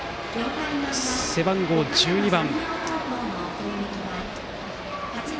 背番号１２番。